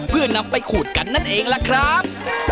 เพื่อนำไปขูดกันนั่นเองล่ะครับ